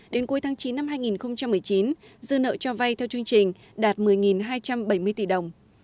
đến cuối tháng chín năm hai nghìn một mươi chín dư nợ cho vay theo chương trình đạt một mươi hai trăm bảy mươi tỷ đồng